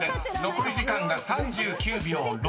残り時間が３９秒６］